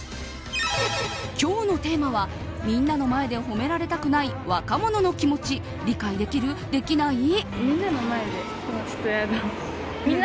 今日のテーマはみんなの前で褒められたくない若者の気持ち理解できる？できない？